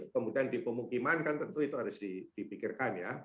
kemudian di pemukiman kan tentu itu harus dipikirkan ya